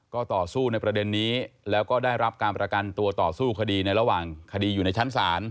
ก็ต่อสู้ในประเด็นนี้แล้วก็ได้รับการประกันตัวต่อสู้คดีในระหว่างคดีอยู่ในชั้นศาล